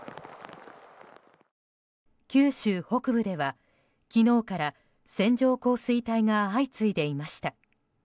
九州北部では昨日から線状降水帯が相次いでいました。